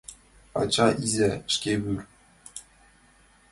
Ача, иза — шке вӱр!